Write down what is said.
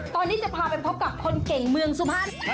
ตอนนี้จะพาไปพบกับคนเก่งเมืองสุพรรณ